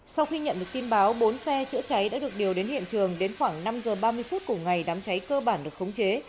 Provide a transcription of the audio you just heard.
sau khi nhận được tin báo bốn xe chữa cháy đã được điều đến hiện trường đến khoảng năm giờ ba mươi phút cùng ngày đám cháy cơ bản được khống chế